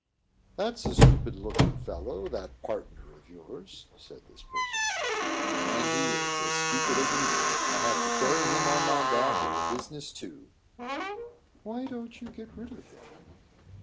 "That's a stupid looking fellow, that partner of yours," said this person. "And he is as stupid as a mule. I have to carry him on my back, and the business, too." "Why don't you get rid of him?"